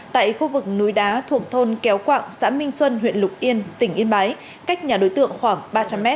tại khu vực núi đá thuộc thôn kéo quạng xã minh xuân huyện lục yên tỉnh yên bái cách nhà đối tượng khoảng ba trăm linh m